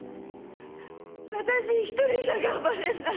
私一人じゃ頑張れない。